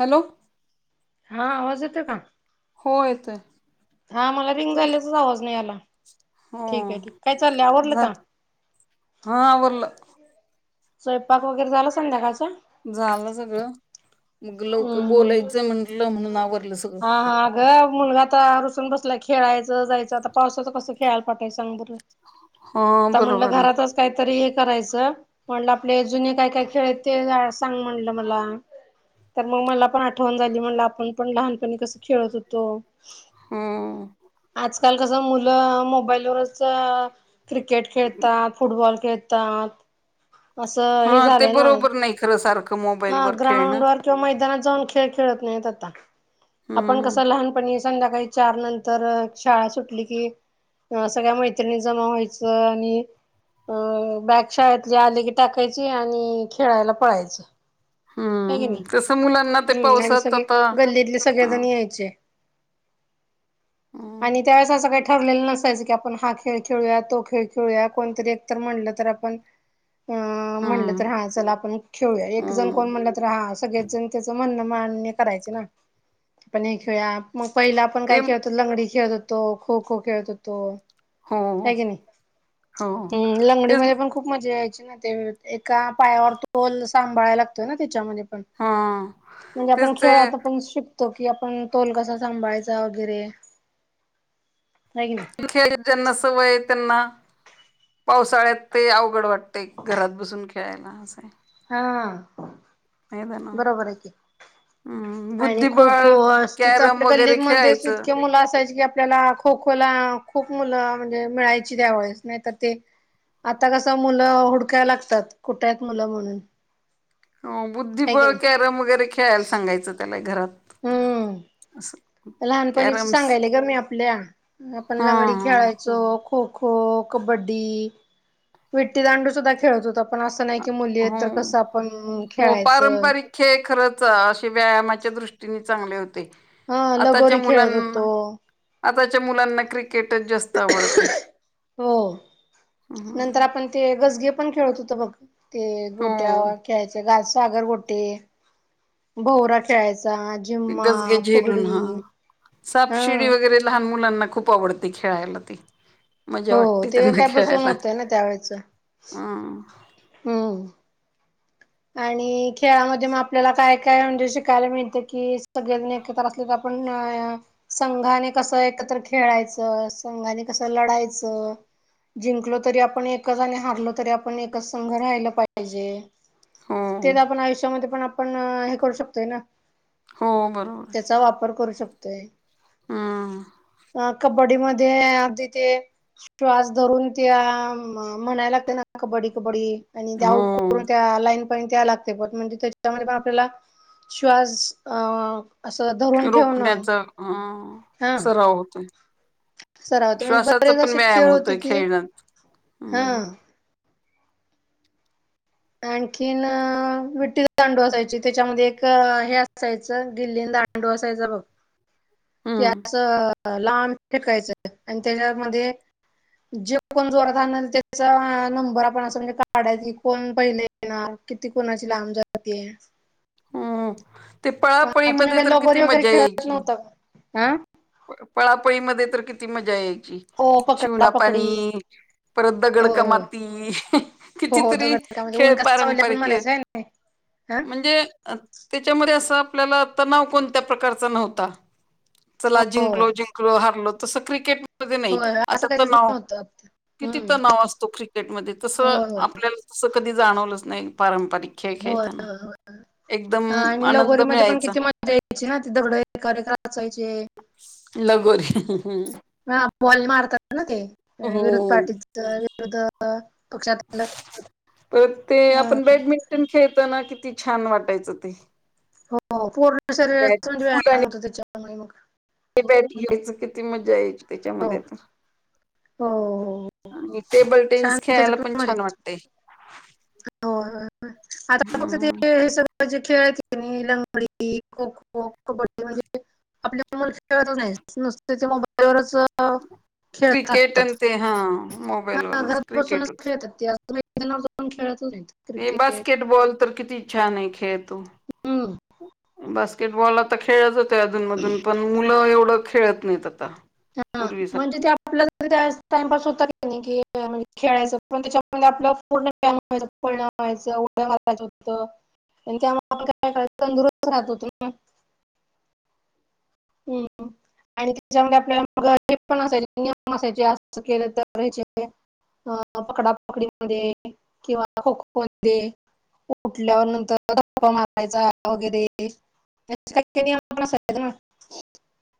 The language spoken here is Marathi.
हॅलो हा आवांज येतों कां हो येतोयं हां मलां रिंक झाल्याचांच आवाज नाहीं आला हो ठीक आहे ठीक कायं चाललंय आवरलं झा का हा आवरलं स्वयंपाक वगैरे झांला संध्याकाळचा झालं सगळं मंग लवकर हम्म हम्म बोलायचं म्हटलं म्हणूंन आवरलं सगळं. आतां रुसून बसला खेळायचं जायचं आता पावसाचं कसं खेळायला पाठंवायचं सांग बरं.? हा आ म्हटलं बरोबर आहे घरातंच कांहीतरी. करायचं म्हण आपले जुने कायं कायं खेळ ते सांग म्हणलं मला. तरं मंग मंला पणं आठवणं झालीं म्हणलं आपणं पणं लहानपणी कसं खेळत होतों. हम्म, आजकाल कस मुलं मोबाईलवरच क्रिकेट खेळतात फुटबॉल खेळतात. असं, हे हा ते झालंय ना. बरोबर नाही खरं सारखं हा मोबाईल वर खेळणं ग्राउंड वर किंवा मैदानात. खेळ खेळत नाही आता आपण कस हम्म लहानपणी. संध्याकाळी चार नंतर शाळा सुटली की सगळ्या मैत्रिणी जमा व्हायच आणि अ बॅगशाळेतली आले की टांकायची आणि खेळायला पळायचं. आहे की हम्म नाहीं तसं मुलांना ते हम्म आणि पावसात सगळें आता गल्लीतले सगळें हा. जणं यांयंचे. हम्म आणि त्यावेळेस असं कांहीं. ठरलेलं नसायचं की आपणं हा खेळ खेळूया तो खेळ खेळूया कोणतरी एकतर म्हणलं तर आपणं. अ म्हणलं तरं हम्म हा चला आपणं खेळूया एक जणं हम्म कोण म्हणलं तरं हा सगळेच जणं त्याचं म्हणणं. मान्य करायचं ना आपणं हे खेळ मंग पहिलें आपणं ते कायं खेळत लंगडी खेळत होतो. तो खो खो खेळत होतो. हो कां की नाहीं हो हम्मं लंगडी तेच मध्यें पणं खूप मज्जा यांयची. ते एकां पायांवर तोल सांभाळायला लागतोय ना त्यांच्या मुळे. हा म्हणजे आपण तेच ते खेळातच पण शिक तो कि आपण तोल कसा सांभाळायचा वगैरे. हाय की नाही खेळ ज्यांना सवय त्यांना पावसाळ्यात ते अवघड वाटत. प्रत्येक घरात बसून खेळ आहे ना असं हाय. हा ना बरोबर आहे कि. हम्म आणि खो-खो बुद्धिबळ अस ति तर कॅरम आपल्या वगैरे गल्लीमध्येच खेळायचं. इतके मुलं असायचे की आपल्याला खो-खो ला खो मुलं म्हणजे मिळायची त्यावेळेस नाही तर ते, आता कस मुलं हुडकाय लागतात कुठ आहेत मुलं म्हणून. हो, आहे की बुद्धिबळ नाही कॅरम वगैरे खेळायला सांगायचं त्याला घरात हम्म अस. लहानपणीच सांगायले ग मी आपल्या आपण हा लंगडी हा खेळायचो खो- खो, कबड्डी, विट्टी दांडू सुद्धा खेळत होतो आपण पण असं नाही की मुली हो आहेत तर कसं हो, खेळायचं पारंपरिक खेळ खरच अशी व्यायामा च्या दृष्टीने चांगले होते. हा आताच्या लगोरी खेळत होतो आताच्या मुलांना क्रिकेट क्रिकेटच जास्त आवडते. हो नंतर हम्म, आपण ते गजगे पण खेळत होत, बघ ते गोट्या हो खेळायचे घास सागरगोटे, भऊरा खेळायचं. गजगे झेलून हा हा सापशिडी वगैरे लहान मुलांना. खूप आवडती खेळायला ती. मजा हो वाटते ते त्यांना काय बसून खेळायला. होतय ना त्यावेळेच हम्म, हम्म आणि खेळामध्ये मग आपल्याला काय काय म्हणजे शिकायला मिळते की सगळेजण एकत्र असले तर आपण पण संघाने कसं एकत्र खेळायचं संघाने कसं लढायचं. जिंकलो तरी आपण एकच आणि हारलो तरी आपण एकच संघ राहिला पाहिजे. तेच हो आपण आयुष्यामध्ये पण आपण हे करू शकतोय ना. हो बरोबर. त्याचा वापर करू शकतोय. हम्म, कबड्डी मध्ये अगदी ते श्वास धरून ते म्हणाय लागते ना. कबड्डी कबड्डी आउट हो करून त्या लाईन. पण त्या लागते पण म्हणजे त्याच्यामध्ये पण आपल्याला श्वास अ असं धरून ठेवणं रोखण्याचा अं हा सराव होतोय. सरावते म्हणजे श्वासाचा बरेच पण असे व्यायाम खेळ होते होतोय की खेळण्यात हा हम्म. आणखीन विठी-दांडू असायचे त्याच्यामध्ये एक हे असायचं गिल्ली दांडू असायचा बघ ते हम्म. असं, लांब फेकायचं आणि त्याच्यामध्ये जे कोण जोरात आणल त्याचा नंबर आपण असं म्हणजे काढायची कोण? पहिले येणार किती कोणाची लांब जातेय. पळापळी मध्ये काही तर किती लगोरी वगैरे मजा खेळत यायची. नव्हता का हा पळापळी मध्ये तर किती मजा यायची हो पकडा शिवना पकडी पाणी परत दगड का होय होय माती हो हो कितीतरी दगड का म्हणजे खेळ ऊन कसा सावली पण पारंपरिक आहे. म्हणायचं ना हा म्हणजे त्याच्यामध्ये असं आपल्याला तणाव कोणत्या प्रकारचा नव्हता. चला हो जिंकलो जिंकलो हारलो तसं क्रिकेटमध्ये नाही होय असं आता तर कधीच नाव नव्हतं किती हम्म तणाव असतो क्रिकेट मध्ये, तसं होय होय आपल्याला तसं कधी जाणवलंच नाही, पारंपरिक खेळ खेळताना. एकदम हा आणि आनंद लगोरीमध्ये पण मिळायचा किती मजा यायची ना ती दगडं एकावर एक रचायचे. लगोरी बाॅल मारता ना ते विरोध हो. पार्टीच विरोध पक्षातलं. परत ते आपण बॅडमिंटन खेळताना किती छान वाटायचं ते. हो पूर्ण बॅट शरीराचा म्हणजे फुल व्यायाम आणि होतो त्याच्यामुळे मग, ते किती मज्जा यायची. हो त्याच्यामध्ये तर, हो हो. आणि टेबल छान टेनिस खेळायला पण त्याच्यातून छान वाटतंय. होय होय होय आता फक्त हे सगळ. म्हणजे खेळ आहेत कनी लंगडी, खो-खो, कबड्डी म्हणजे आपली मुलं खेळतच नाहीत नुसतं ते मोबाईलवरच आ क्रिकेट खेळतात. आणि ते हा मोबाईल हा वरच घरात बसूनच क्रिकेट खेळतात ते मैदानावर जाऊन खेळतच नाहीत. ते क्रिकेट बास्केटबॉल तर किती छान आहे खेळ तो हम्म बास्क केटबॉल आता खेळच होते अधुनमधून पण मुलं एवढं खेळत नाहीत आता. हा पूर्वीसारखं म्हणजे ते आपल्या टाइमपास होतात नाही कि खेळायचं पण त्याच्यामध्ये आपला पूर्ण व्यायाम व्हायचा पळणं व्हायचं, उड्या घालायचं होतं. आणि त्यामुळे आप काय क तंदुरुस्त राहत होतो ना. हम्म. आणि त्याच्यामध्ये आपल्यालाग हे पण असाय नियम असायचे असं केलं तर हे. अं पकडापकडीमध्ये किंवा खो-खो मध्ये उठल्यावर नंतर धक्का मारायचा वगैरे [unintelligible]